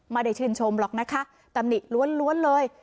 ไม่ได้ชื่นชมหรอกนะคะตำนี้ล้วนเลย